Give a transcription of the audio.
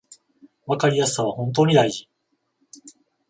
わかりやすさは本当に大事